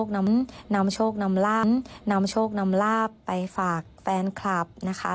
นำโชคน้ำลาบไปฝากแฟนคลับนะคะ